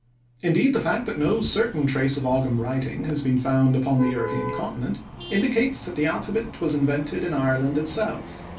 Indeed, the fact that no certain trace of Ogam writing has been found upon the European continent indicates that the alphabet was invented in Ireland itself.